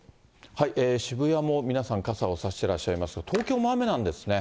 渋谷も皆さん、傘を差してらっしゃいますが、東京も雨なんですね。